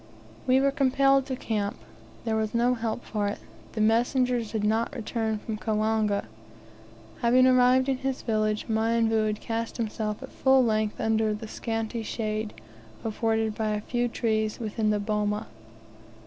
We were compelled to camp; there was no help for it; the messengers had not returned from Kawanga. Having arrived in his village, Mionvu had cast himself at full length under the scanty shade afforded by a few trees within the boma.